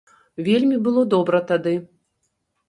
Вельмі было добра тады.